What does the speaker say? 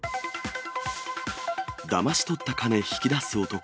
だまし取った金引き出す男。